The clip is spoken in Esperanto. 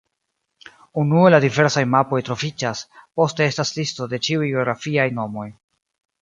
Unue la diversaj mapoj troviĝas, poste estas listo de ĉiuj geografiaj nomoj.